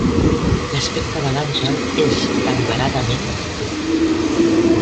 L'aspecte de l'àngel és deliberadament pur.